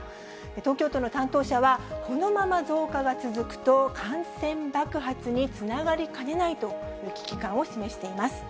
東京都の担当者は、このまま増加が続くと、感染爆発につながりかねないという危機感を示しています。